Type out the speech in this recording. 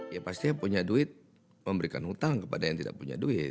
ya pasti punya duit memberikan hutang kepada yang tidak punya duit